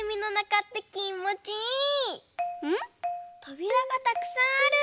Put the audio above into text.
とびらがたくさんある。